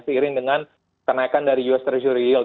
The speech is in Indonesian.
seiring dengan kenaikan dari us treasury yield